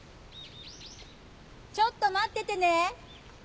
ちょっと待っててね！